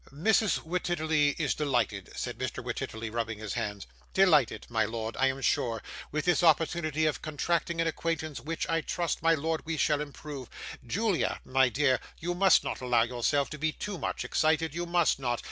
'Mrs. Wititterly is delighted,' said Mr. Wititterly, rubbing his hands; 'delighted, my lord, I am sure, with this opportunity of contracting an acquaintance which, I trust, my lord, we shall improve. Julia, my dear, you must not allow yourself to be too much excited, you must not.